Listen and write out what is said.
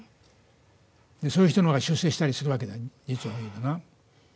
そういう人の方が出世したりするわけだ実を言うとな。